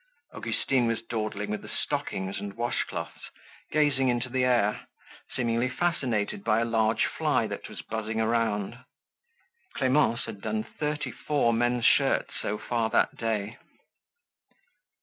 Augustine was dawdling with the stockings and washcloths, gazing into the air, seemingly fascinated by a large fly that was buzzing around. Clemence had done thirty four men's shirts so far that day.